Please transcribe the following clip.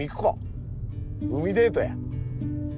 海デートや。